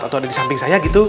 atau ada di samping saya gitu